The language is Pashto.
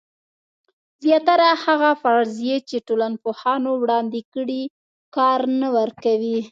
زیاتره هغه فرضیې چې ټولنپوهانو وړاندې کړي کار نه ورکوي.